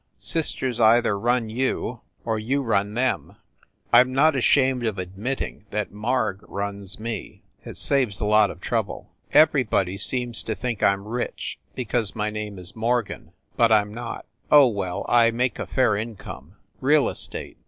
Sisters either run you, or you run them. I m not ashamed of admitting that Marg runs me. It saves a lot of trouble. Everybody seems to think I m rich, because my name is Morgan, but I m not. Oh, well, I make a fair income. Real estate.